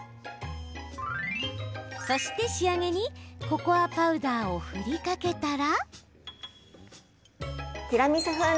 そして仕上げにココアパウダーを振りかけたら。